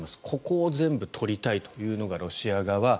ここを全部取りたいというのがロシア側。